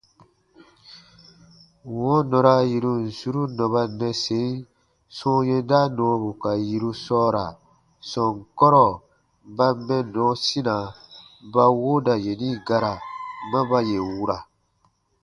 Wɔ̃ɔ nɔra yirun suru nɔba nnɛsen sɔ̃ɔ yɛnda nɔɔbu ka yiru sɔɔra sɔnkɔrɔ ba mɛnnɔ sina ba wooda yeni gara ma ba yè wura.